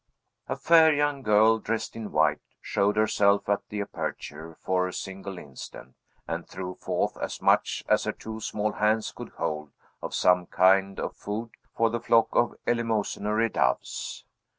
A fair young girl, dressed in white, showed herself at the aperture for a single instant, and threw forth as much as her two small hands could hold of some kind of food, for the flock of eleemosynary doves.